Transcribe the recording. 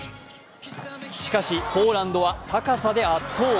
しかし、ポーランドは高さで圧倒。